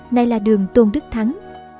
này là đường tôn đức thắng